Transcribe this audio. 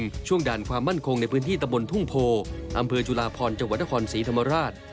ช่วงด่านความมั่นคงในพื้นที่ตะบนทุ่งโพอำเภอจุลาพรจังหวัดนครศรีธรรมราช